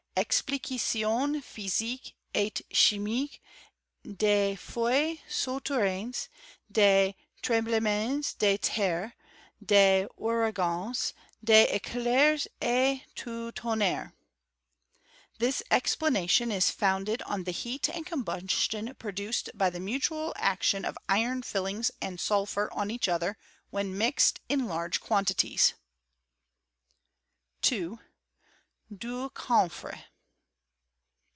Explication physique et chimique des Feuz sou* terrains, des tremblemens deTerre, des Ouragans, des Eclairs et duTonnere. — ^This explanation is founded on the heat and combustion produced by the mutual action of iron filings and sulpnur on each other, when mixed in large quantities^ 2. Du Camphre.